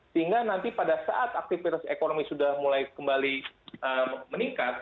sehingga nanti pada saat aktivitas ekonomi sudah mulai kembali meningkat